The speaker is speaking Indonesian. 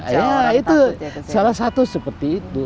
ya itu salah satu seperti itu